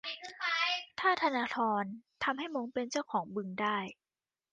ถ้าธนาธรทำให้ม้งเป็นเจ้าของบึงได้